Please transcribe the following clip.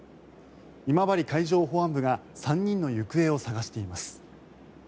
今治海上保安部が３人の行方を捜しています。